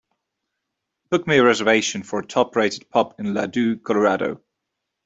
Book me a reservation for a top-rated pub in Ladue, Colorado